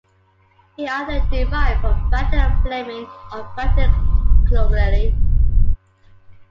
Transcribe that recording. He either derived from Bratton Fleming or Bratton Clovelly.